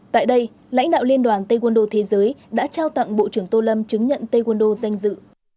tại đây lãnh đạo liên đoàn tây quân đô thế giới đã trao tặng bộ trưởng tô lâm chứng nhận tây quân đô danh dự